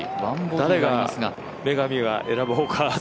誰が女神が選ぼうか。